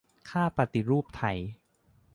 'ค่าปฎิรูปไทย'